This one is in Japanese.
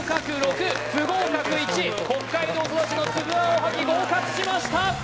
北海道育ちのつぶあんおはぎ合格しました